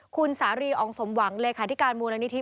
คุณสารีอองสมหวังเลขาธิการมูลนิธิ